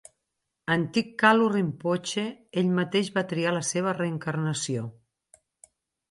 Antic Kalu Rinpoche, ell mateix va triar la seva reencarnació.